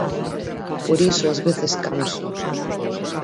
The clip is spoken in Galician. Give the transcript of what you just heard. Por iso ás veces canso...